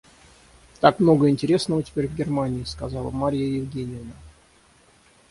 Так много интересного теперь в Германии, — сказала Марья Евгеньевна.